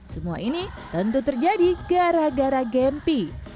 semua ini tentu terjadi gara gara gempi